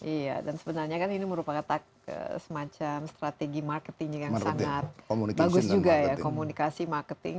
iya dan sebenarnya kan ini merupakan semacam strategi marketing yang sangat bagus juga ya komunikasi marketing